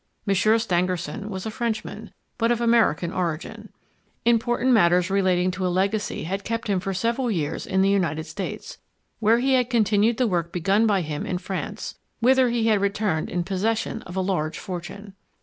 Monsieur Stangerson was a Frenchman, but of American origin. Important matters relating to a legacy had kept him for several years in the United States, where he had continued the work begun by him in France, whither he had returned in possession of a large fortune.